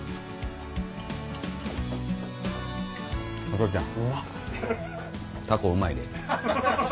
ホトちゃんタコうまいで。